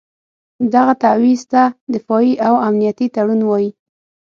دغه تعویض ته دفاعي او امنیتي تړون وایي.